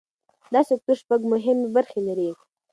دا سکتور شپږ مهمې برخې لري.